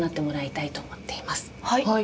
はい。